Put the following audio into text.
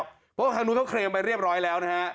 เพราะว่าทางนู้นเขาเคลมไปเรียบร้อยแล้วนะฮะ